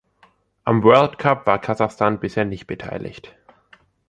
Am World Cup war Kasachstan bisher nicht beteiligt.